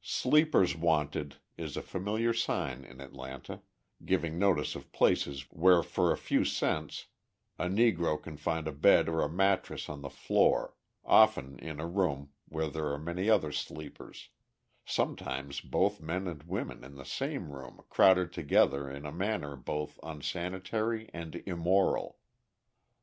"Sleepers wanted" is a familiar sign in Atlanta, giving notice of places where for a few cents a Negro can find a bed or a mattress on the floor, often in a room where there are many other sleepers, sometimes both men and women in the same room crowded together in a manner both unsanitary and immoral.